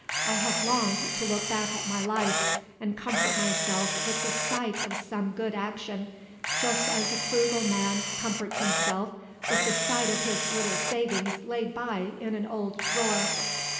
I have longed to look back at my life, and comfort myself with the sight of some good action, just as a frugal man comforts himself with the sight of his little savings laid by in an old drawer.